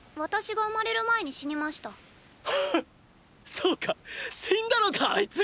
そうか死んだのかあいつ！